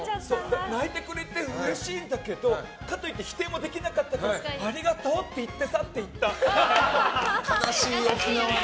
泣いてくれてうれしいんだけどかといって否定もできなかったからありがとうって言って去って行った。